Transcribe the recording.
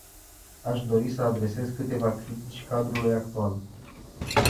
Aș dori să adresez câteva critici cadrului actual.